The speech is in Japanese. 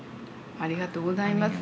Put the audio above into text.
ありがとうございます。